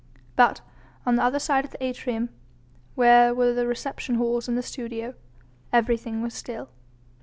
But on the other side of the atrium, where were the reception halls and the studio, everything was still.